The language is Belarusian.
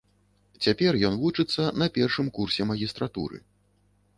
Цяпер ён вучыцца на першым курсе магістратуры.